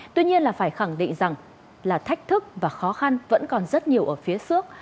tuy nhiên là phải khẳng định rằng là thách thức và khó khăn vẫn còn rất nhiều ở phía trước